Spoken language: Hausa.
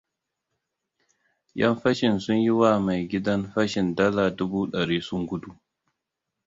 Ƴan fashi sun yiwa mai gidan fashin dala dubu ɗari sun gudu.